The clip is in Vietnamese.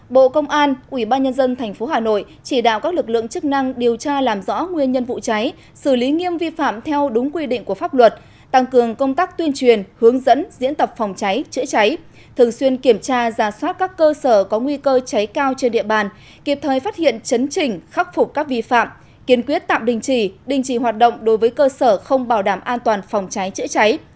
hai bộ công an ủy ban nhân dân tp hà nội chỉ đạo các lực lượng chức năng điều tra làm rõ nguyên nhân vụ cháy xử lý nghiêm vi phạm theo đúng quy định của pháp luật tăng cường công tác tuyên truyền hướng dẫn diễn tập phòng cháy chữa cháy thường xuyên kiểm tra giả soát các cơ sở có nguy cơ cháy cao trên địa bàn kịp thời phát hiện chấn trình khắc phục các vi phạm kiên quyết tạm đình chỉ đình chỉ hoạt động đối với cơ sở không bảo đảm an toàn phòng cháy chữa cháy